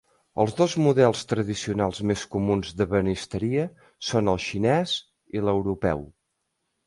Els dos models tradicionals més comuns d'ebenisteria són el xinès i l'europeu.